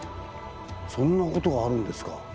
そんなことがあるんですか。